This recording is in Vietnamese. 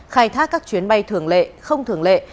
khai thác các chuyến bay thường lệ không thường lệ